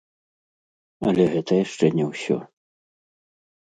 Але гэта яшчэ не ўсё!